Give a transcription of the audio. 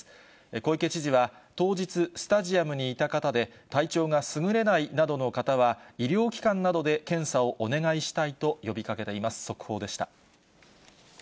小池知事は、当日、スタジアムにいた方で、体調がすぐれないなどの方は、医療機関などで検査をお願いしたいと呼びかけています。